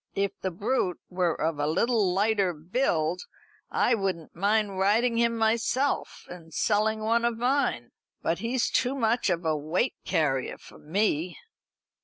If the brute were of a little lighter build, I wouldn't mind riding him myself, and selling one of mine. But he's too much of a weight carrier for me."